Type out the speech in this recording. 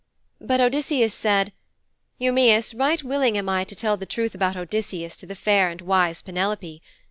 But Odysseus said, 'Eumæus, right willing am I to tell the truth about Odysseus to the fair and wise Penelope.